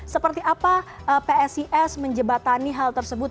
seperti apa psis menjebatani hal tersebut